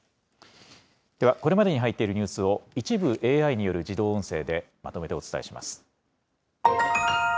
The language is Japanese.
では、これまでに入っているニュースを一部、ＡＩによる自動音声で、まとめてお伝えします。